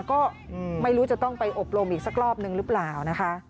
ก็ไม่รู้จะต้องไปอบรมอีกสักรอบนึงหรือเปล่านะคะ